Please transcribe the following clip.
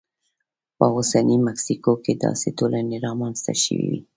په اوسنۍ مکسیکو کې داسې ټولنې رامنځته شوې وې